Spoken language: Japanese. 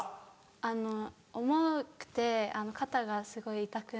あの重くて肩がすごい痛くなります。